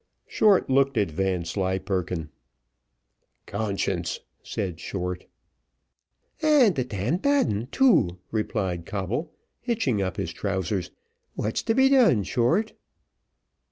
Short looked at Vanslyperken. "Conscience," said Short. "And a d d bad un, too," replied Coble, hitching up his trousers. "What's to be done, Short?"